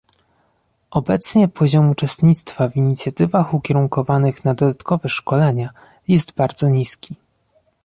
Obecnie poziom uczestnictwa w inicjatywach ukierunkowanych na dodatkowe szkolenia jest bardzo niski